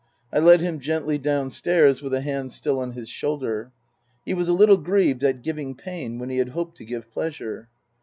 I led him gently downstairs with a hand still on his shoulder. He was a little grieved at giving pain when he had hoped to give pleasure.